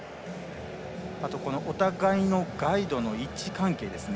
あと、お互いのガイドの位置関係ですね。